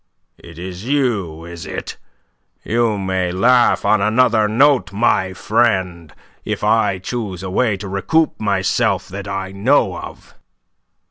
"It is you, is it? You may laugh on another note, my friend, if I choose a way to recoup myself that I know of."